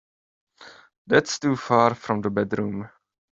That's too far from the bedroom.